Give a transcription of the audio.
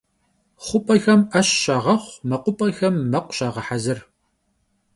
Xhup'exem 'eş şağexhu, mekhup'exem mekhu şağehezır.